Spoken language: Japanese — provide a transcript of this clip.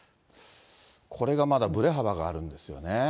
これがまだぶれ幅があるんですよね。